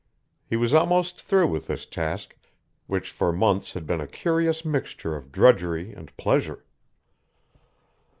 He was almost through with this task, which for months had been a curious mixture of drudgery and pleasure.